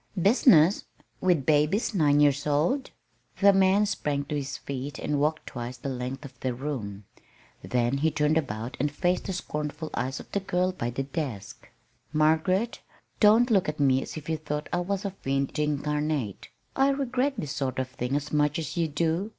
"Business! with babies nine years old!" The man sprang to his feet and walked twice the length of the room; then he turned about and faced the scornful eyes of the girl by the desk. "Margaret, don't look at me as if you thought I was a fiend incarnate. I regret this sort of thing as much as you do.